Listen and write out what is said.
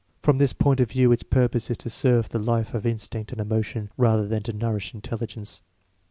Prom this point of view its purpose is to serve the life of instinct and emotion, rather than to nourish intelligence.